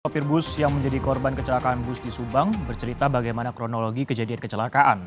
sopir bus yang menjadi korban kecelakaan bus di subang bercerita bagaimana kronologi kejadian kecelakaan